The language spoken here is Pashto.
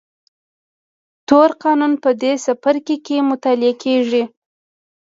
تور قانون په دې څپرکي کې مطالعه کېږي.